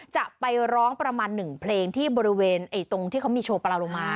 จะไปร้องประมาณหนึ่งเพลงที่บริเวณตรงที่เขามีโชว์ปลาลงมา